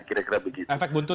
efek buntut jas begitu ya